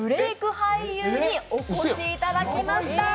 俳優にお越しいただきました。